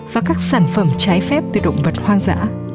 và các sản phẩm trái phép từ động vật hoang dã